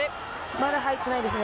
まだ入ってないですね。